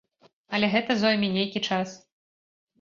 Але гэта зойме нейкі час.